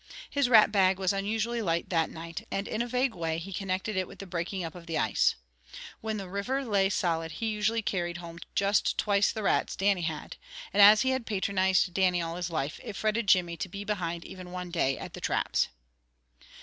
His rat bag was unusually light that night, and in a vague way he connected it with the breaking up of the ice. When the river lay solid he usually carried home just twice the rats Dannie had, and as he had patronized Dannie all his life, it fretted Jimmy to be behind even one day at the traps.